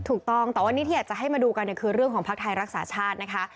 ถูกต้องแต่วันนี้ที่อยากจะให้มาดูกันคือเรื่องของภักดิ์ไทยรักษาชาตินะคะ